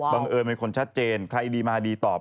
เอิญเป็นคนชัดเจนใครดีมาดีตอบ